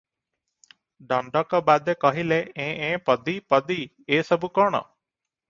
ଦଣ୍ଡକ ବାଦେ କହିଲେ-ଏଁ -ଏଁ -ପଦୀ! ପଦୀ! ଏ ସବୁ କଣ?